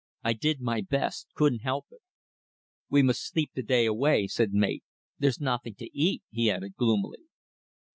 "I did my best. Couldn't help it." "We must sleep the day away," said the mate. "There's nothing to eat," he added, gloomily.